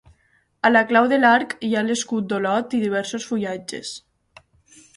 A la clau de l'arc hi ha l'escut d'Olot i diversos fullatges.